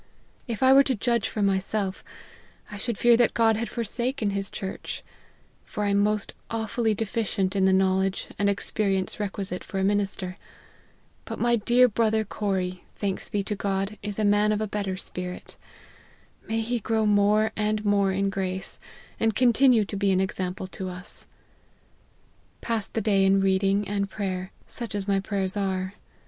If I were to judge for myself, I should fear that God had forsaken his church ; for I am most awfully deficient in the knowledge and experience requisite for a minister ; but my dear brother Corrie, thanks be to God, is a man of a better spirit :~ may he grow more and more in grace, and continue to be an example to us ! Passed the day in reading and prayer, such as my prayers are.